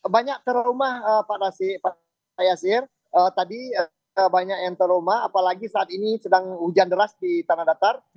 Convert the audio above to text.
banyak ke rumah pak yasir tadi banyak yang trauma apalagi saat ini sedang hujan deras di tanah datar